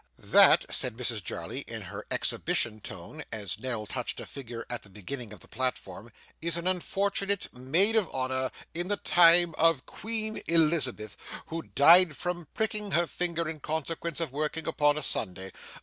'That,' said Mrs Jarley in her exhibition tone, as Nell touched a figure at the beginning of the platform, 'is an unfortunate Maid of Honour in the Time of Queen Elizabeth, who died from pricking her finger in consequence of working upon a Sunday.